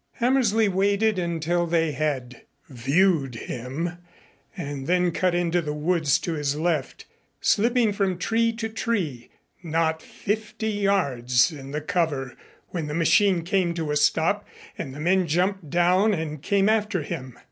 Hammersley waited until they had "viewed" him and then cut into the woods to his left, slipping from tree to tree not fifty yards in the cover when the machine came to a stop and the men jumped down and came after him.